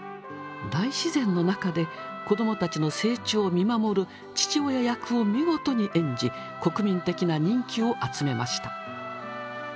大自然の中で子どもたちの成長を見守る父親役を見事に演じ国民的な人気を集めました。